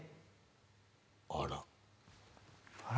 あら？